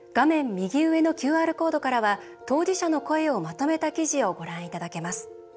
右上のＱＲコードからは当事者の声をまとめた記事をご覧いただけます。